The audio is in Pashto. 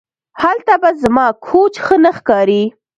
هلته به زما کوچ ښه نه ښکاري